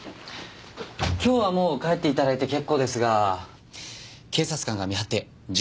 今日はもう帰って頂いて結構ですが警察官が見張って巡回もします。